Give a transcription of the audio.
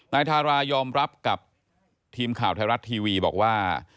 ทารายอมรับกับทีมข่าวไทยรัฐทีวีบอกว่า